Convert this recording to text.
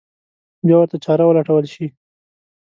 بیا ورته چاره ولټول شي.